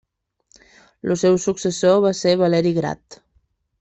El seu successor va ser Valeri Grat.